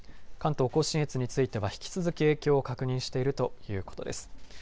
関東甲信越については引き続き影響を確認しているということです。